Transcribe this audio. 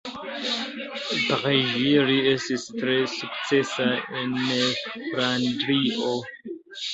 Per ĝi li estis tre sukcesa en Flandrio.